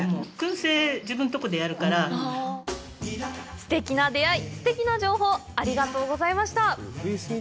すてきな出会い、すてきな情報ありがとうございました！